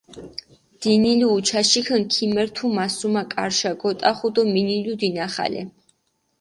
დინილუ უჩაშიქინ, ქიმერთუ მასუმა კარიშა, გოტახუ დო მინილუ დინახალე.